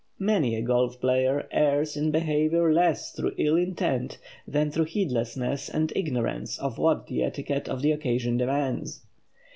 Many a golf player errs in behavior less through ill intent than through heedlessness and ignorance of what the etiquette of the occasion demands.